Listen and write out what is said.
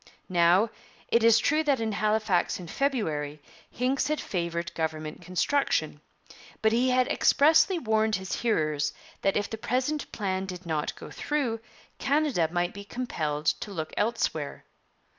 Now, it is true that in Halifax in February Hincks had favoured government construction; but he had expressly warned his hearers that if the present plan did not go through, Canada might be compelled to look elsewhere.